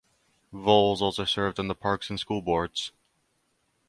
Volz also served on the parks and school boards.